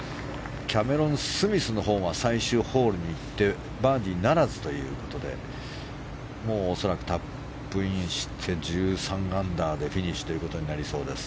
キャメロン・スミスのほうは最終ホールに行ってバーディーならずということでもうタップインして１３アンダーでフィニッシュということになりそうです。